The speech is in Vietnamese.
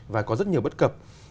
và có rất nhiều bất cập